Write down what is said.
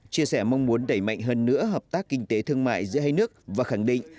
chia sẻ mong muốn đẩy mạnh hơn nữa hợp tác kinh tế thương mại giữa hai nước và khẳng định